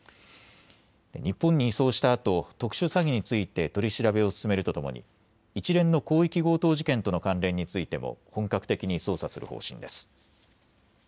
日本に移送したあと特殊詐欺について取り調べを進めるとともに一連の広域強盗事件との関連についても本格的に捜査する方針です。